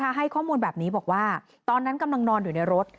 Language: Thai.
ให้ข้อมูลแบบนี้บอกว่าตอนนั้นกำลังนอนอยู่ในรถ